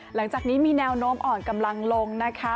หลังจากนี้มีแนวโน้มอ่อนกำลังลงนะคะ